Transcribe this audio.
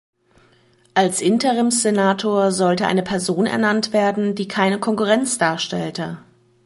Als Interims-Senator sollte eine Person ernannt werden, die keine Konkurrenz darstellte.